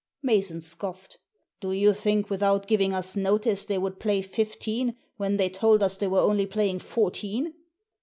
Mason scoffed. "Do you think, without giving us notice, they would play fifteen when they told us they were only playing fourteen